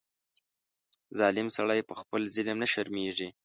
ظالم سړی په خپل ظلم نه شرمېږي.